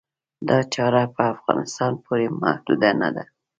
دا چاره په افغانستان پورې محدوده نه ده.